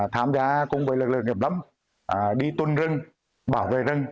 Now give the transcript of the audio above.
tham gia cùng với lực lượng nghiệp lắm đi tuân rừng bảo vệ rừng